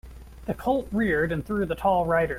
The colt reared and threw the tall rider.